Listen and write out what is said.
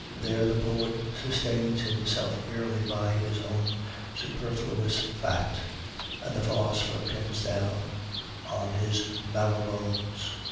There the poet sustains himself merely by his own superfluous fat, and the philosopher comes down on his marrow bones.